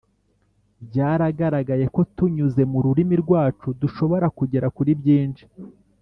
Byaragaragaye ko tunyuze mu rurimi rwacu dushobora kugera kuri byinshi